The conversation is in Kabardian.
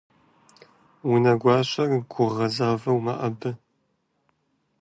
Унэгуащэр гугъэзагъэу мэӀэбэ.